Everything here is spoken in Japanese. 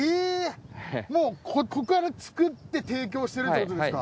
もうここから作って提供してるってことですか？